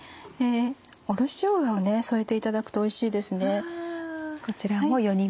おろししょうがを添えていただくとおいしいです。